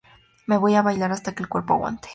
Me voy a bailar hasta que el cuerpo aguante